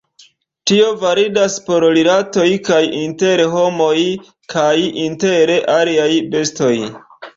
Tio validas por rilatoj kaj inter homoj kaj inter aliaj bestoj.